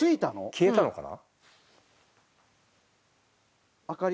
消えたのかな？